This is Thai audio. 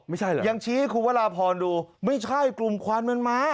ไม่ใช่เหรอยังชี้ให้คุณวราพรดูไม่ใช่กลุ่มควันมันมา